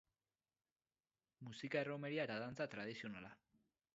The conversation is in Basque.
Musika erromeria eta dantza tradizionala.